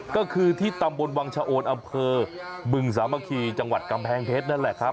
ก็คือที่ตำบลวังชะโอนอำเภอบึงสามัคคีจังหวัดกำแพงเพชรนั่นแหละครับ